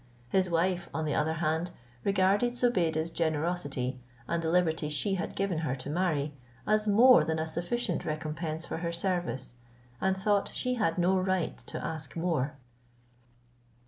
His wife, on the other hand, regarded Zobeide's generosity, and the liberty she had given her to marry, as more than a sufficient recompense for her service, and thought she had no right to ask more.